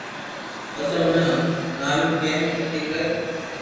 پسي اوني ھڻاويو ڪي متي ڪر